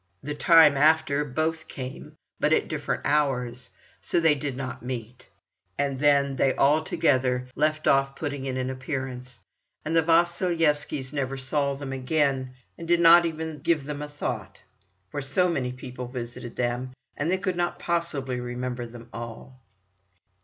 The time after both came, but at different hours, so they did not meet. And then they altogether left off putting in an appearance, and the Vasilyevskys never saw them again, and did not even give them a thought; for so many people visited them, and they could not possibly remember them all.